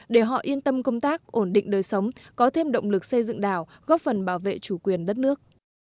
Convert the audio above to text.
để họ yên tâm công tác ổn định đời sống có thêm động lực xây dựng đảo góp phần bảo vệ chủ quyền đất nước